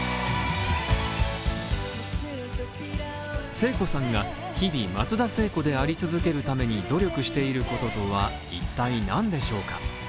聖子さんが日々松田聖子であり続けるために努力していることとは一体何でしょうか？